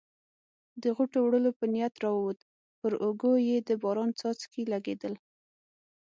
د غوټو وړلو په نیت راووت، پر اوږو یې د باران څاڅکي لګېدل.